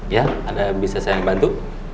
ya ada bisa saya bantu